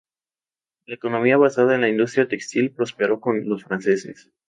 La economía basada en la industria textil prosperó con los franceses.